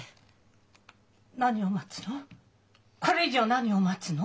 何を待つの？